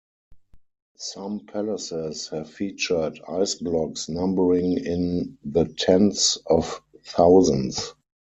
Some palaces have featured ice blocks numbering in the tens of thousands.